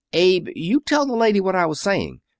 "Abe, you tell the lady what I was saying.